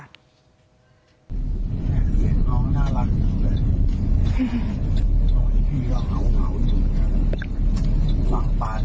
ดูเขินทาง